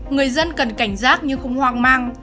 người dân cần cảnh giác nhưng không hoang mang